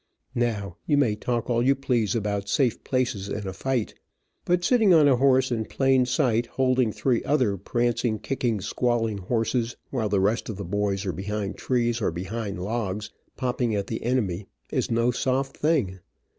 Now, you may talk all you please about safe places in a fight, but sitting on a horse in plain sight, holding three other prancing, kicking, squalling horses, while the rest of the boys are behind trees, or behind logs, popping at the enemy, is no soft thing.